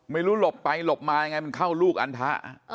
หลบไปหลบมายังไงมันเข้าลูกอันทะ